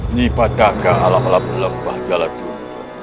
nyi pataka ala ala belemah jalan dulu